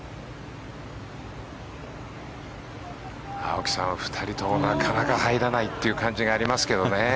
青木さん２人ともなかなか入らないという感じがありますけどね。